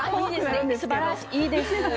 いいですね。